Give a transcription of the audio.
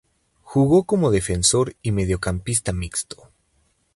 Jugó como defensor y mediocampista mixto.